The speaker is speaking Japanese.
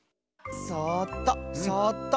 そっとそっと。